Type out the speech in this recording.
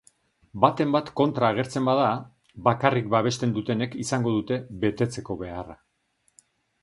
Baten bat kontra agertzen bada, bakarrik babesten dutenek izango dute betetzeko beharra.